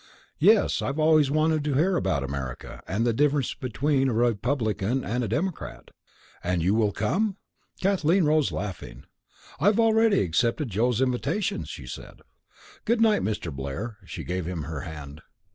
"Yes, I've always wanted to hear about America, and the difference between a Republican and a Democrat." "And you will come?" Kathleen rose, laughing. "I have already accepted Joe's invitation," she said. "Good night, Mr. Blair." She gave him her hand.